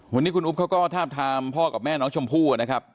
วันนี้คุณอุ๊บเขาก็ทาบทามพ่อกับแม่น้องชมพู่นะครับ